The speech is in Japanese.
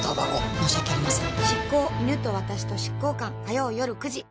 申し訳ありません。